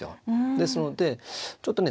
ですのでちょっとね